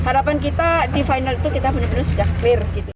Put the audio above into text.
harapan kita di final itu kita benar benar sudah clear gitu